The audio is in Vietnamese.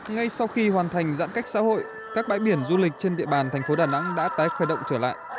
ngay sau khi hoàn thành giãn cách xã hội các bãi biển du lịch trên địa bàn thành phố đà nẵng đã tái khởi động trở lại